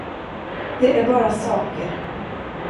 Det är bara saker.